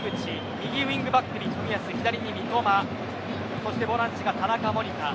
右ウィングバックに冨安左に三笘そしてボランチが田中、守田。